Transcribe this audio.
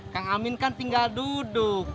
kang amin kan tinggal duduk